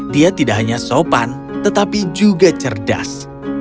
dia tidak hanya sopan tetapi juga cerdas